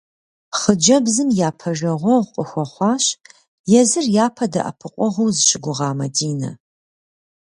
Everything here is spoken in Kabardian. Хъыджэбзым япэ жагъуэгъу къыхуэхъуащ езыр япэ дэӏэпыкъуэгъуу зыщыгугъа Мадинэ.